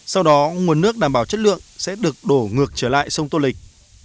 sau đó nguồn nước đảm bảo chất lượng sẽ được đổ ngược trở lại sông tô lịch